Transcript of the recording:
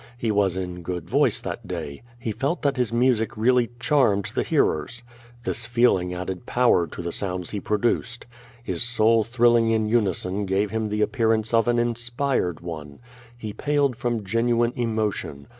He was in good voice that day. He felt that his music really charmed the hearers. This feeling added power to the sounds he produced. His soul thrilling in unison gave him the appearance of an inspired one. He paled from genuine emotion.